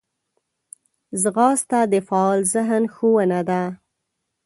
ځغاسته د فعال ذهن ښوونه ده